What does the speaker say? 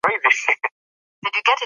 زده کوونکي ماشومان د نوښت سرچینه ګرځي.